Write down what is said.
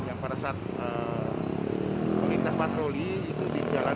yang pada saat melintas patroli itu di jalan